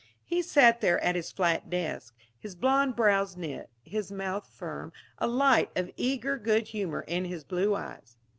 He sat there at his flat desk his blond brows knit, his mouth firm, a light of eager good humor in his blue eyes.